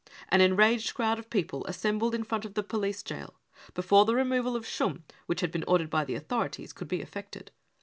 An enraged crowd of people assembled in front of the police jail, before the removal of Schumm, which had been ordered by the authorities, could be effected.